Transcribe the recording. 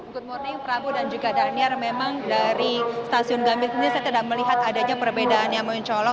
good morning prabu dan juga daniar memang dari stasiun gambir sendiri saya tidak melihat adanya perbedaan yang mencolok